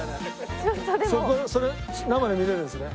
それ生で見れるんですね。